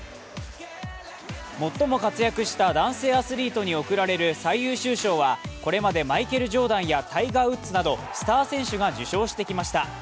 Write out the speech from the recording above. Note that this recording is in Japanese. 最も活躍した男性アスリートに贈られる最優秀賞はこれまでマイケル・ジョーダンやタイガー・ウッズなどスター選手が受賞してきました。